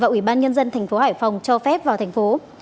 và ủy ban nhân dân tp hcm cho phép vào thành phố